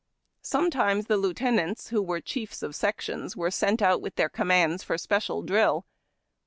Sometimes the lieutenants who were chiefs of sections were sent out with their commands for special drill.